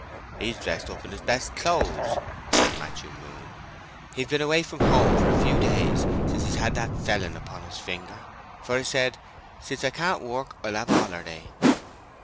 "He's dressed up in his best clothes," said Matthew Moon. "He hev been away from home for a few days, since he's had that felon upon his finger; for 'a said, since I can't work I'll have a hollerday."